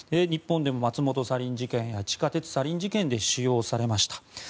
日本でも松本サリン事件や地下鉄サリン事件で使用されました。